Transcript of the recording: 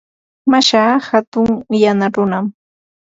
Mashaa hatun yana runam.